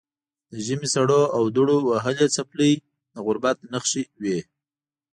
د ژمي سړو او دوړو وهلې څپلۍ د غربت نښې وې.